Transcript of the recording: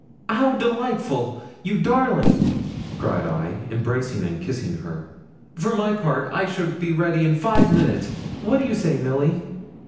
'How delightful! you darling,' cried I, embracing and kissing her; 'for my part, I should be ready in five minutes; what do you say, Milly?'